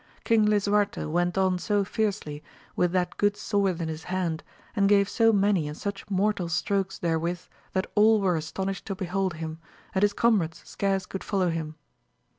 King Lisuarte went on so fiercely, with that good sword in his hand, and gave 80 many and such mortal strokes therewith that all were astonished to behold him, and his comrades scarce could follow him.